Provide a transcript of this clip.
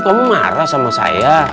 kamu marah sama saya